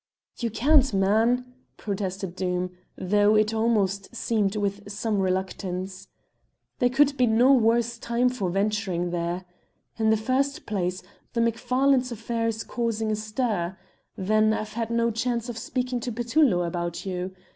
"You can't, man," protested Doom, though, it almost seemed, with some reluctance. "There could be no worse time for venturing there. In the first place, the Macfarlanes' affair is causing a stir; then I've had no chance of speaking to Petullo about you.